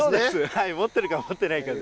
はい持ってるか持ってないかです。